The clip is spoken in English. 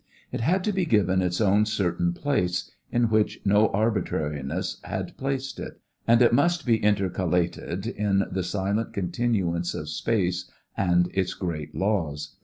It had to be given its own certain place, in which no arbitrariness had placed it, and it must be intercalated in the silent continuance of space and its great laws.